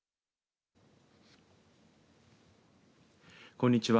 こんにちは。